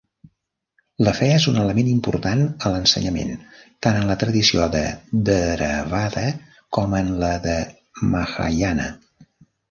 La fe és un element important a l'ensenyament tant en la tradició de Theravada com en la de Mahayana.